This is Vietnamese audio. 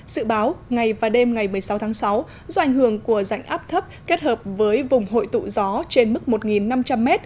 sự báo ngày và đêm ngày một mươi sáu tháng sáu do ảnh hưởng của rãnh áp thấp kết hợp với vùng hội tụ gió trên mức một năm trăm linh m